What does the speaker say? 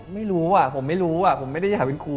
ไม่รู้ผมไม่รู้ผมไม่ได้อยากเป็นครู